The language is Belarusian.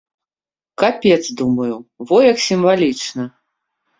Капец, думаю, во як сімвалічна!